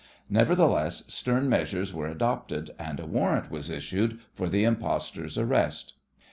Nevertheless, stern measures were adopted, and a warrant was issued for the impostor's arrest.